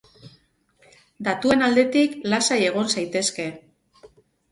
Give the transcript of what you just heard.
Datuen aldetik, lasai egon zaitezke.